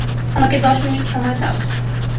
আমাকে দশ মিনিট সময় দাও।